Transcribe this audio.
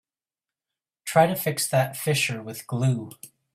Try to fix that fissure with glue.